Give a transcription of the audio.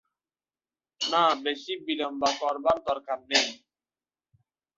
না, বেশি বিলম্ব করবার দরকার নেই।